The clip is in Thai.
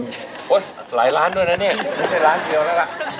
โอ้โหหลายล้านด้วยนะเนี่ยไม่ใช่ล้านเดียวแล้วล่ะ